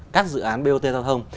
các dự án bot tàu thông